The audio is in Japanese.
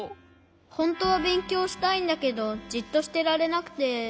ほんとはべんきょうしたいんだけどじっとしてられなくて。